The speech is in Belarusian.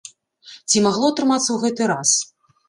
Ці магло атрымацца ў гэты раз?